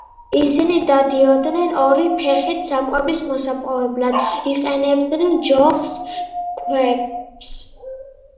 ისინი დადიოდნენ ორი ფეხით, საკვების მოსაპოვებლად იყენებდნენ ჯოხს, ქვებს.